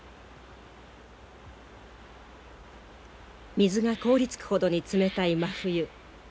水が凍りつくほどに冷たい真冬。